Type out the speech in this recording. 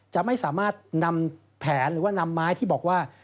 จะไม่สามารถนำแผนหรือว่านำไม้ที่บอกว่า